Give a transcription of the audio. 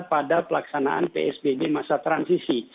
pada pelaksanaan psbb masa transisi